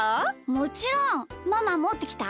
もちろん！ママもってきた？